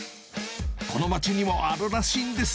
この街にもあるらしいんです。